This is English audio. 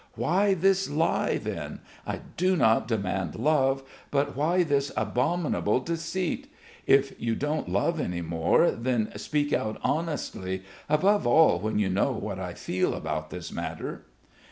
Why this lie then? I do not demand love, but why this abominable deceit? If you don't love any more then speak out honestly, above all when you know what I feel about this matter...."